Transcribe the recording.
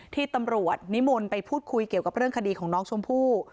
ที่ตำรวจนิมนต์ไปพูดคุยเกี่ยวกับเรื่องคดีของน้องชมพู่